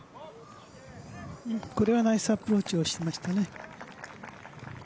これはナイスアプローチをしましたね。